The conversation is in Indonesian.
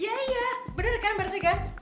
iya iya bener kan berarti kan